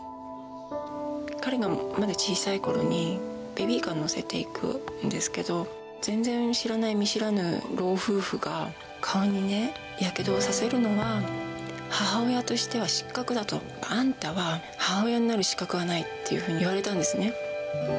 彼がまだ小さいころに、ベビーカーに乗せていくんですけど、全然知らない見知らぬ老夫婦が、顔にね、やけどをさせるのは母親としては失格だと。あんたは母親になる資格はないっていうふうに言われたんですね。